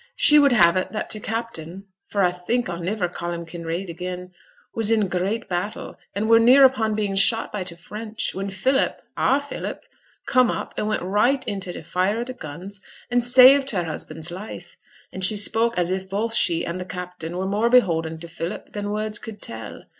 She would have it that t' captain for I think I'll niver ca' him Kinraid again was in a great battle, and were near upon being shot by t' French, when Philip our Philip come up and went right into t' fire o' t' guns, and saved her husband's life. And she spoke as if both she and t' captain were more beholden to Philip than words could tell.